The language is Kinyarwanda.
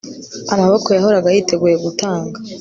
Amaboko yahoraga yiteguye gutanga